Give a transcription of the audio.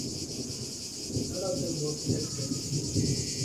None of them were elected.